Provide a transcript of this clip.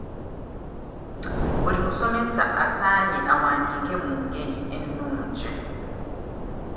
Buli musomesa asaanye awandiike mu ngeri ennungi.